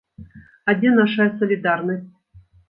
А дзе нашая салідарнасць?